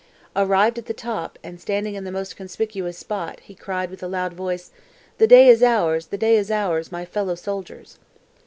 _ Arrived at the top, and standing in the most conspicuous spot, he. cried with a loud voice, "The day is ours, the day is ours, my fellow soldiers!""